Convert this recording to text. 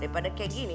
daripada kayak gini